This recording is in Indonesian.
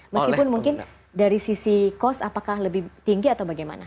meskipun mungkin dari sisi kos apakah lebih tinggi atau bagaimana